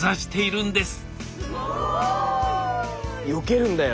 よけるんだよ。